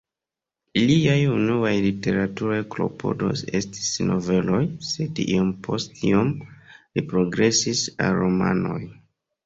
Liaj unuaj literaturaj klopodoj estis noveloj, sed iom post iom li progresis al romanoj.